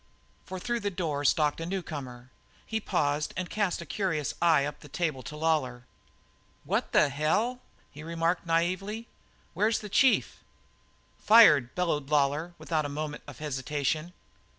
For through the door stalked a newcomer. He paused and cast a curious eye up the table to Lawlor. "What the hell!" he remarked naively. "Where's the chief?" "Fired!" bellowed Lawlor without a moment of hesitation.